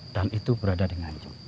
dan itu berada di nganjuk